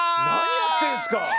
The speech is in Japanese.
何やってんすか！？